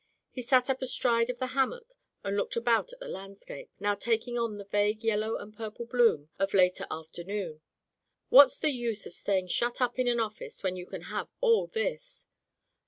He sat up astride of the hanmiock and looked about at the landscape, now taking on the vague yellow and purple bloom of later after noon. "What's the use of staying shut up in an office when you can have all this?